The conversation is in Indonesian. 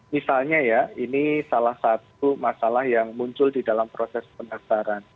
misalnya ya ini salah satu masalah yang muncul di dalam proses pendaftaran